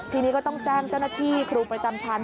ทีนี้ก็ต้องแจ้งเจ้าหน้าที่ครูประจำชั้น